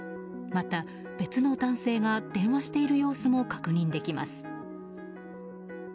また、別の男性が電話している様子も確認できます。